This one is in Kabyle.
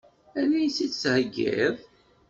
Ad iyi-tt-id-theggiḍ?